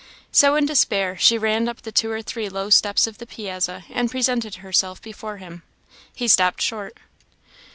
So in despair she ran up the two or three low steps of the piazza and presented herself before him. He stopped short.